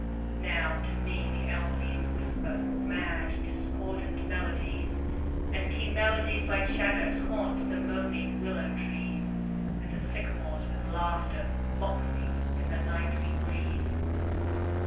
Now, to me the elm leaves whisper Mad, discordant melodies, And keen melodies like shadows Haunt the moaning willow trees, And the sycamores with laughter Mock me in the nightly breeze.